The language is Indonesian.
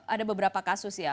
ada beberapa kasus ya